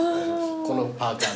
このパーカーで。